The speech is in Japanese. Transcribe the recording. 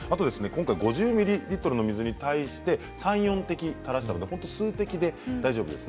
５０ミリリットルの水に３、４滴垂らしたので水滴で大丈夫です。